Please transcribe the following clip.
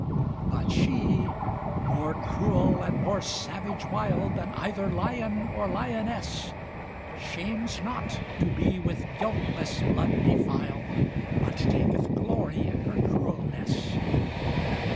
But she more cruel and more savage wild, Then either lion or lioness: Shames not to be with guiltless blood defiled, But taketh glory in her cruelness.